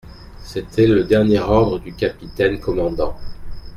C'était le dernier ordre du capitaine commandant.